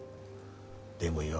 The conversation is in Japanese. でもよ